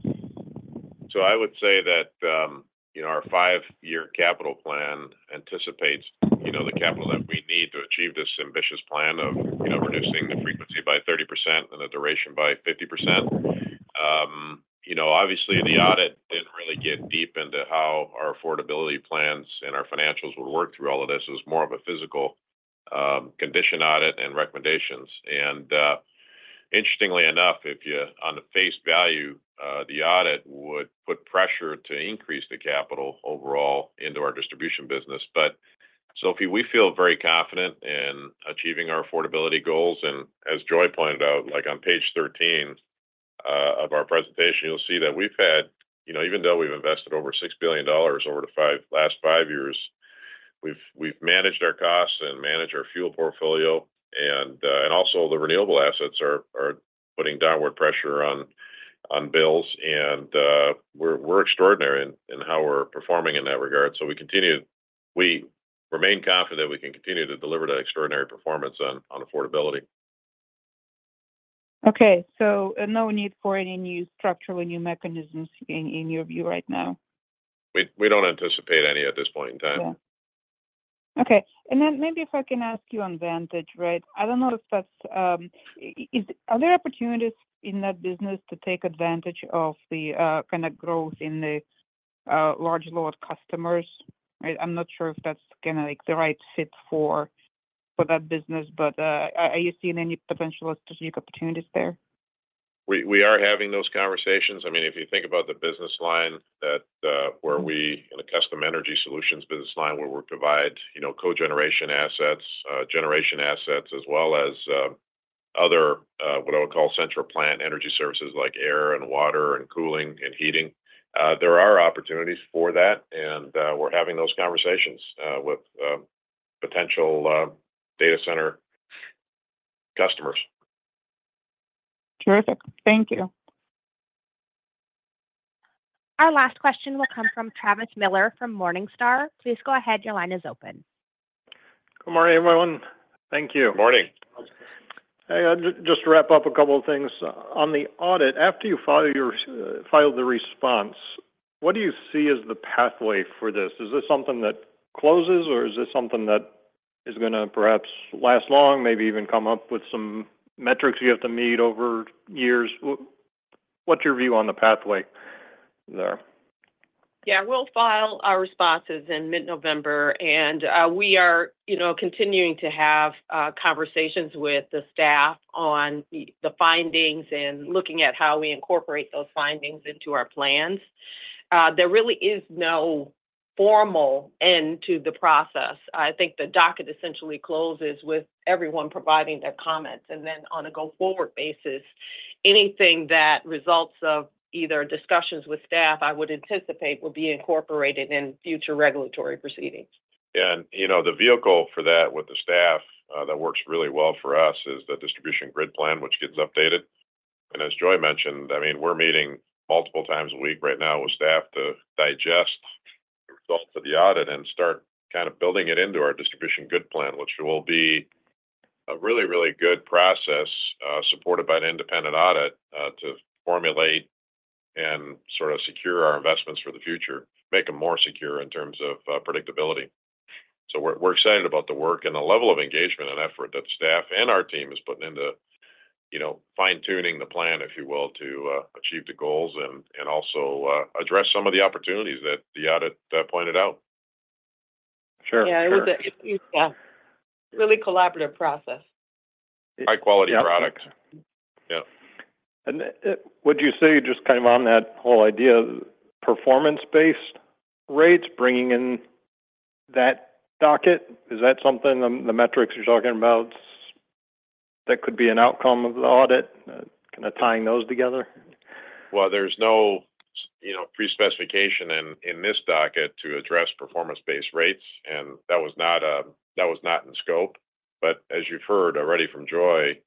[SPEAKER 3] So I would say that, you know, our five-year capital plan anticipates, you know, the capital that we need to achieve this ambitious plan of, you know, reducing the frequency by 30% and the duration by 50%. You know, obviously, the audit didn't really get deep into how our affordability plans and our financials would work through all of this. It was more of a physical, condition audit and recommendations. And, interestingly enough, if you... On the face value, the audit would put pressure to increase the capital overall into our distribution business. But Sophie, we feel very confident in achieving our affordability goals, and as Joi pointed out, like, on page 13 of our presentation, you'll see that, you know, even though we've invested over $6 billion over the last five years, we've managed our costs and managed our fuel portfolio, and also the renewable assets are putting downward pressure on bills. And we're extraordinary in how we're performing in that regard. So we continue. We remain confident we can continue to deliver that extraordinary performance on affordability.
[SPEAKER 6] Okay. So no need for any new structural or new mechanisms in, in your view right now?
[SPEAKER 3] We don't anticipate any at this point in time.
[SPEAKER 6] Yeah. Okay. And then maybe if I can ask you on Vantage, right? I don't know if that's. Are there opportunities in that business to take advantage of the kind of growth in the large load customers, right? I'm not sure if that's kinda, like, the right fit for that business, but are you seeing any potential strategic opportunities there?
[SPEAKER 3] We are having those conversations. I mean, if you think about the business line. In the Custom Energy Solutions business line, where we provide, you know, cogeneration assets, generation assets, as well as other, what I would call central plant energy services, like air and water and cooling and heating, there are opportunities for that, and we're having those conversations with potential data center customers.
[SPEAKER 6] Terrific. Thank you.
[SPEAKER 1] Our last question will come from Travis Miller from Morningstar. Please go ahead. Your line is open.
[SPEAKER 16] Good morning, everyone. Thank you.
[SPEAKER 3] Good morning.
[SPEAKER 16] Hey, just to wrap up a couple of things. On the audit, after you file the response, what do you see as the pathway for this? Is this something that closes, or is this something that is gonna perhaps last long, maybe even come up with some metrics you have to meet over years? What's your view on the pathway there?
[SPEAKER 4] Yeah, we'll file our responses in mid-November, and, we are, you know, continuing to have conversations with the staff on the, the findings and looking at how we incorporate those findings into our plans. There really is no formal end to the process. I think the docket essentially closes with everyone providing their comments, and then on a go-forward basis, anything that results of either discussions with staff, I would anticipate, will be incorporated in future regulatory proceedings.
[SPEAKER 3] You know, the vehicle for that with the staff that works really well for us is the Distribution Grid Plan, which gets updated. As Joi mentioned, I mean, we're meeting multiple times a week right now with staff to digest the results of the audit and start kind of building it into our Distribution Grid Plan, which will be a really, really good process supported by an independent audit to formulate and sort of secure our investments for the future, make them more secure in terms of predictability. So we're excited about the work and the level of engagement and effort that the staff and our team is putting in to, you know, fine-tuning the plan, if you will, to achieve the goals and also address some of the opportunities that the audit pointed out.
[SPEAKER 16] Sure.
[SPEAKER 4] Yeah, it's a really collaborative process.
[SPEAKER 3] High-quality products.
[SPEAKER 16] Yep.
[SPEAKER 3] Yeah.
[SPEAKER 16] Would you say, just kind of on that whole idea of performance-based rates, that docket, is that something, the metrics you're talking about that could be an outcome of the audit, kinda tying those together?
[SPEAKER 3] There's no, you know, pre-specification in this docket to address performance-based rates, and that was not in scope. But as you've heard already from Joi,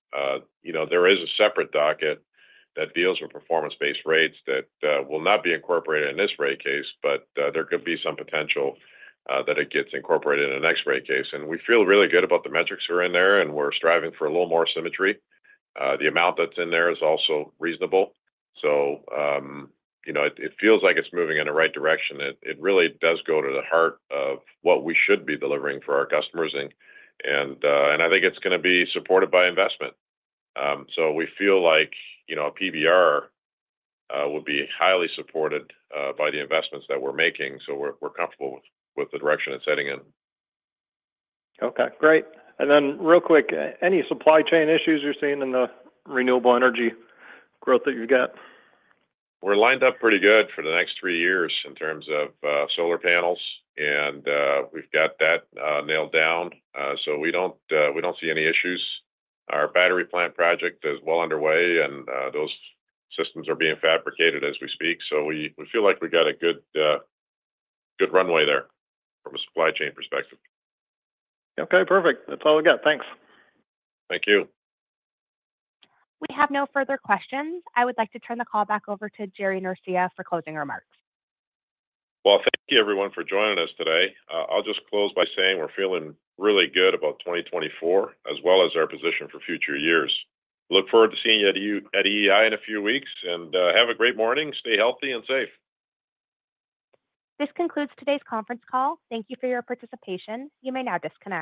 [SPEAKER 3] you know, there is a separate docket that deals with performance-based rates that will not be incorporated in this rate case, but there could be some potential that it gets incorporated in the next rate case. And we feel really good about the metrics that are in there, and we're striving for a little more symmetry. The amount that's in there is also reasonable, so, you know, it feels like it's moving in the right direction. It really does go to the heart of what we should be delivering for our customers, and I think it's gonna be supported by investment. So we feel like, you know, PBR would be highly supported by the investments that we're making, so we're comfortable with the direction it's heading in.
[SPEAKER 16] Okay, great. And then real quick, any supply chain issues you're seeing in the renewable energy growth that you've got?
[SPEAKER 3] We're lined up pretty good for the next three years in terms of solar panels, and we've got that nailed down. So we don't see any issues. Our battery plant project is well underway, and those systems are being fabricated as we speak, so we feel like we got a good runway there from a supply chain perspective.
[SPEAKER 16] Okay, perfect. That's all I got. Thanks.
[SPEAKER 3] Thank you.
[SPEAKER 1] We have no further questions. I would like to turn the call back over to Jerry Norcia for closing remarks.
[SPEAKER 3] Thank you everyone for joining us today. I'll just close by saying we're feeling really good about 2024, as well as our position for future years. Look forward to seeing you at EEI in a few weeks, and have a great morning. Stay healthy and safe.
[SPEAKER 1] This concludes today's conference call. Thank you for your participation. You may now disconnect.